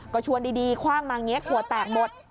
ก็ชวนดีคว่างมาหัวแตกหมด